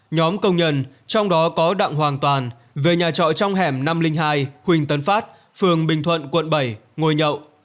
nhóm công nhân trong đó có đặng hoàng toàn về nhà trọ trong hẻm năm trăm linh hai huỳnh tấn phát phường bình thuận quận bảy ngồi nhậu